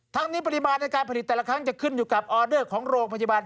ทั้งนี้ปริมาณในการผลิตแต่ละครั้งจะขึ้นอยู่กับออเดอร์ของโรงพยาบาล